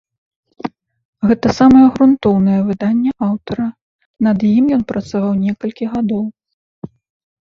Гэта самае грунтоўнае выданне аўтара, над ім ён працаваў некалькі гадоў.